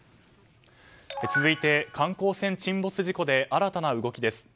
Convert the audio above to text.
続いて、観光船沈没事故で新たな動きです。